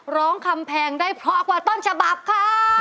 คำแพงได้เพราะกว่าต้นฉบับค่ะ